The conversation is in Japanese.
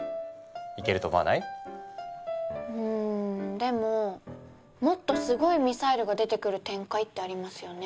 でももっとすごいミサイルが出てくる展開ってありますよね？